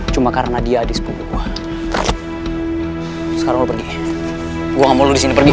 tiga hari dia disampampung infectious disease sih